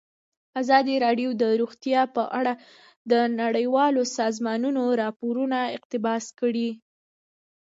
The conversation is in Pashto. ازادي راډیو د روغتیا په اړه د نړیوالو سازمانونو راپورونه اقتباس کړي.